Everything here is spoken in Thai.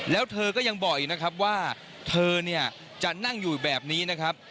แล้วเธอก็ยังบอกอีกนะครับว่าเธอเนี่ยจะนั่งอยู่แบบนี้นะครับ